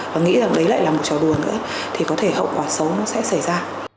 và nghĩ rằng đấy lại là một trò buồng nữa thì có thể hậu quả xấu nó sẽ xảy ra